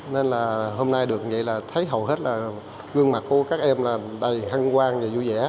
nên là hôm nay được thấy hầu hết là gương mặt của các em là đầy hăng quan